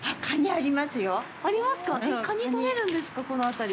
カニ取れるんですか、この辺り。